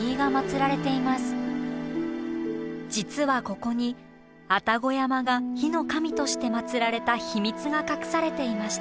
実はここに愛宕山が火の神として祀られた秘密が隠されていました。